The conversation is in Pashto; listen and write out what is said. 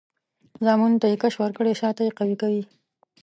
زامنو ته یې کش ورکړی؛ شاته یې قوي کوي.